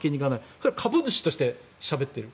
それは株主としてしゃべってる。